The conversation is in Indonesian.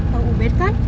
kau ubed kan